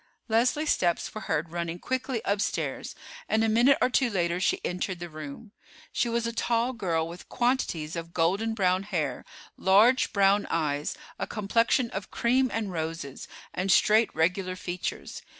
Leslie's steps were heard running quickly upstairs, and a minute or two later she entered the room. She was a tall girl, with quantities of golden brown hair, large brown eyes, a complexion of cream and roses, and straight regular features.